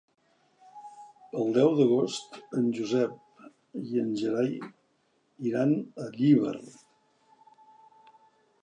El deu d'agost en Josep i en Gerai iran a Llíber.